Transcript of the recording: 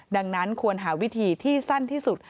ดังนั้นควรหาวิธีที่สั้นที่สุด